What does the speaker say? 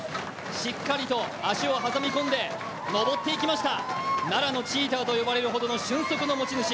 しっかりと足を挟み込んで登っていきました、奈良のチーターと呼ばれるほどの俊足の持ち主。